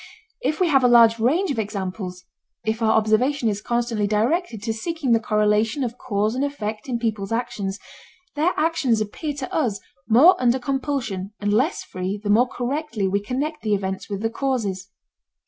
If we have a large range of examples, if our observation is constantly directed to seeking the correlation of cause and effect in people's actions, their actions appear to us more under compulsion and less free the more correctly we connect the effects with the causes.